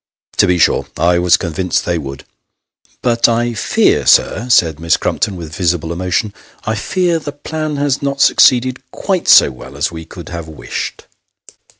" To be sure. I was convinced they would." " But I fear, sir," said Miss Crumpton, with visible emotion, " I fear the plan has not succeeded, quite so well as we could have wished."